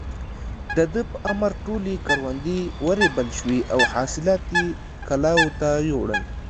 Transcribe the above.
د ده په امر ټولې کروندې ورېبل شوې او حاصلات يې کلاوو ته يووړل.